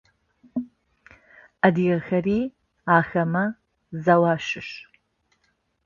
Адыгэхэри ахэмэ зэу ащыщ.